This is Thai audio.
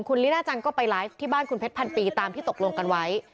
คุณลิน่าจังก็ไปไลฟ์ที่บ้านคุณเพชรพันปีตามที่ตกลงกันไว้